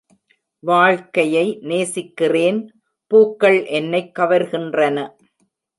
வாழ்க்கையை நேசிக்கிறேன் பூக்கள் என்னைக் கவர்கின்றன.